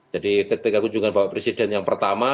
jadi ketika kunjungan bapak presiden yang pertama